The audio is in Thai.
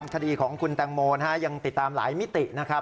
คดีของคุณแตงโมยังติดตามหลายมิตินะครับ